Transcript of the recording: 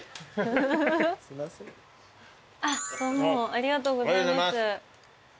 ありがとうございます。